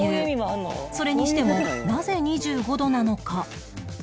それにしてもなぜ２５度なのか？